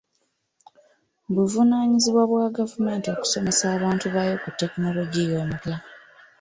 Buvunaanyizibwa bwa gavumenti okusomesa abantu baayo ku tekinologiya omupya.